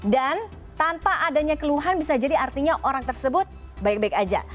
dan tanpa adanya keluhan bisa jadi artinya orang tersebut baik baik saja